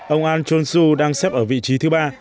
ông ahn jong soo đang xếp ở vị trí thứ ba